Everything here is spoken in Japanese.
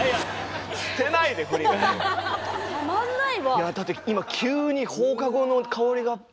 いやだって今した。